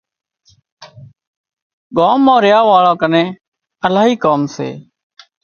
ڳام مان ريا واۯان ڪنين الاهي ڪام سي